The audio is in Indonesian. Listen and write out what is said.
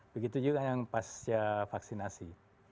begitu juga yang pasca vaksinasi